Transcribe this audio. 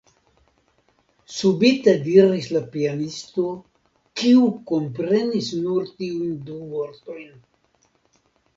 subite diris la pianisto, kiu komprenis nur tiujn du vortojn.